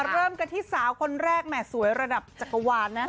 เริ่มกันที่สาวคนแรกแหม่สวยระดับจักรวาลนะ